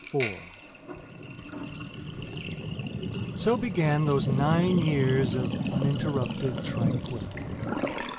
IV So began those nine years of uninterrupted tranquillity.